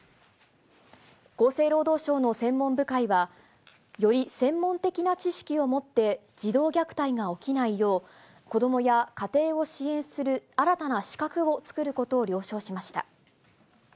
厚生労働省の専門部会は、より専門的な知識を持って、児童虐待が起きないよう、子どもや家庭を支援する新たな資格を作ることを了承しました。